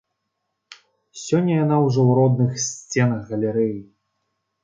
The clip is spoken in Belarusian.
Сёння яна ўжо ў родных сценах галерэі.